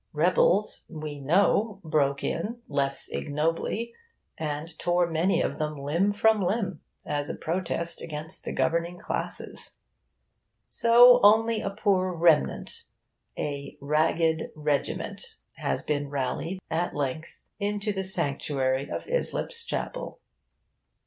Rebels, we know, broke in, less ignobly, and tore many of them limb from limb, as a protest against the governing classes. So only a poor remnant, a 'ragged regiment,' has been rallied, at length, into the sanctuary of Islip's Chapel.